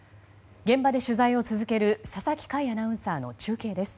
現場で取材を続ける佐々木快アナウンサーの中継です。